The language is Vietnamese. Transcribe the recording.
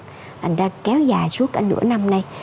thành ra kéo dài suốt cả nửa năm nay